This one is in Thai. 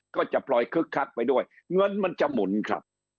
ก็จะปล่อยคึกคักไปด้วยเงินมันจะหมุนครับ